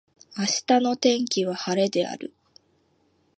明日の天気は晴れである。